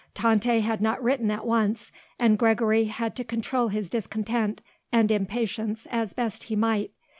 Tante had not written at once and Gregory had to control his discontent and impatience as best he might.